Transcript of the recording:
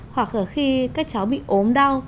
hoặc là khi các cháu bị ốm đau